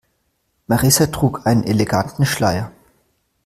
Marissa trug einen eleganten Schleier.